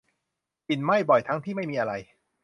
กลิ่นไหม้บ่อยทั้งที่ไม่มีอะไร